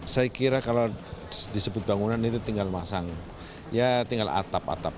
saya kira kalau disebut bangunan itu tinggal masang ya tinggal atap atap